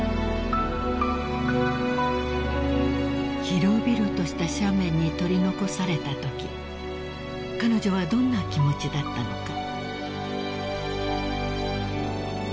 ［広々とした斜面に取り残されたとき彼女はどんな気持ちだったのか］